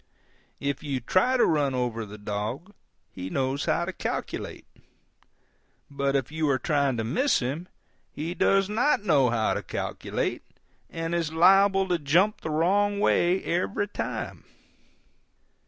If you try to run over the dog he knows how to calculate, but if you are trying to miss him he does not know how to calculate, and is liable to jump the wrong way every time.